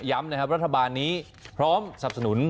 ย้ำนะครับรัฐบาลนี้พร้อมสับสนุน